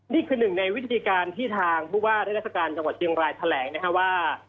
นี่คือหนึ่งในวิธีการที่ทางผู้ว่าราชการจังหวัดเชียงรายแถลงนะครับว่า